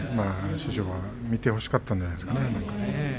師匠は見てほしかったんじゃないですかね。